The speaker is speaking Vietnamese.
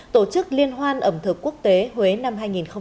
tổ chức liên hoan ẩm thực quốc tế huế năm hai nghìn một mươi sáu